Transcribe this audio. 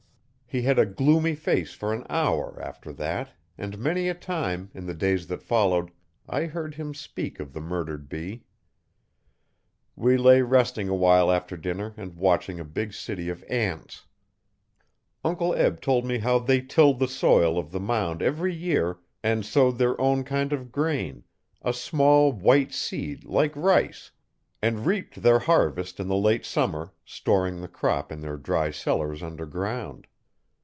He had a gloomy face for an hour after that and many a time, in the days that followed, I heard him speak of the murdered bee. We lay resting awhile after dinner and watching a big city of ants. Uncle Eb told me how they tilled the soil of the mound every year and sowed their own kind of grain a small white seed like rice and reaped their harvest in the late summer, storing the crop in their dry cellars under ground.